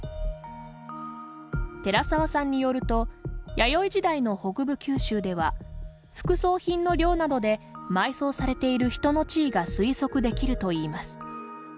寺沢さんによると弥生時代の北部九州では副葬品の量などで埋葬されている人の地位が推測できるといいます。